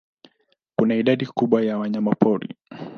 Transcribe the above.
Kuna idadi kubwa ya wanyamapori.